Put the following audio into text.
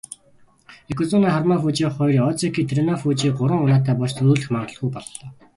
Ёкозүна Харүмафүжи хоёр, озеки Тэрүнофүжи гурван унаатай болж түрүүлэх магадлалгүй боллоо.